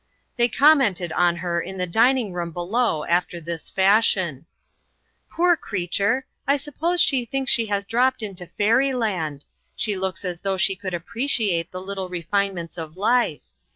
They commented on her in the dining room below after this fashion : "Poor creature, I suppose she thinks she has dropped into fairy land. She looks as though she could appreciate the little refine ments of life.